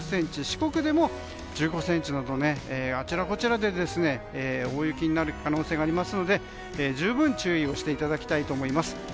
四国でも１５ｃｍなどあちらこちらで大雪になる可能性がありますので十分、注意していただきたいと思います。